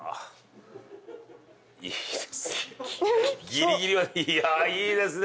ギリギリまでいやいいですね！